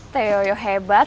teh yoyo hebat